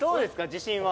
自信は。